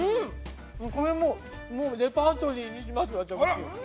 これ、もうレパートリーにします、私。